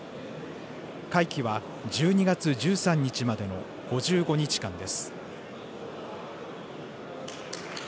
会期は１２月１３日までの５５日間です。